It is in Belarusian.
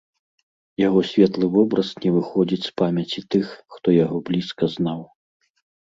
Яго светлы вобраз не выходзіць з памяці тых, хто яго блізка знаў.